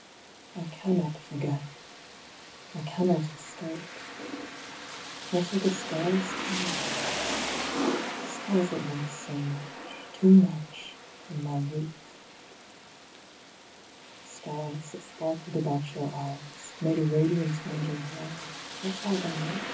... 27 I cannot forget — I cannot escape. What are the Stars to me ? Stars that meant so much, too much, in my youth ; Stars that sparkled about your eyes, Made a radiance round your hair, What are they now